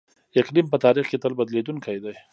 اقلیم په تاریخ کې تل بدلیدونکی دی.